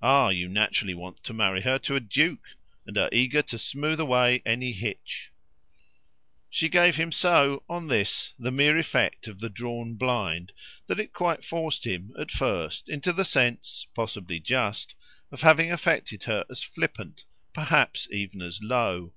"Ah you naturally want to marry her to a duke and are eager to smooth away any hitch." She gave him so, on this, the mere effect of the drawn blind that it quite forced him at first into the sense, possibly just, of his having shown for flippant, perhaps even for low.